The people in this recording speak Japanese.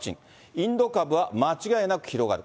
インド株は間違いなく広がる。